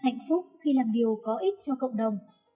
hạnh phúc khi làm điều có ích cho cộng đồng